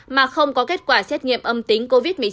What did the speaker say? mà không có kết quả xét nghiệm âm tính covid một mươi chín